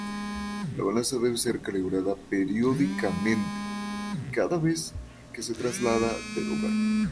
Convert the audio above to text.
La balanza debe ser calibrada periódicamente y cada vez que se traslada de lugar.